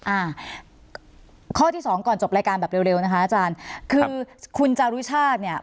อ่าข้อที่สองก่อนจบรายการแบบเร็วเร็วนะคะอาจารย์คือคุณจารุชาติเนี่ย